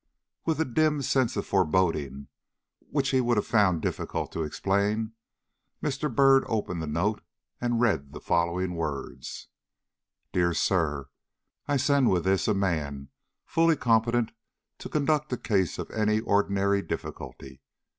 With a dim sense of foreboding which he would have found difficult to explain, Mr. Byrd opened the note and read the following words: DEAR SIR, I send with this a man fully competent to conduct a case of any ordinary difficulty.